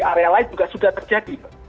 karena yang lain juga sudah terjadi